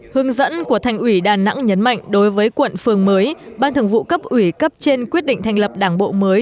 hướng dẫn của thành ủy đà nẵng nhấn mạnh đối với quận phường mới ban thường vụ cấp ủy cấp trên quyết định thành lập đảng bộ mới